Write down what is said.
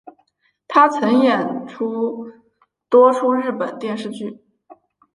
她曾演出多出日本电视剧。